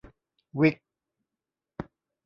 วิค